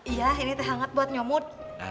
iya ini teh hangat buat nyomot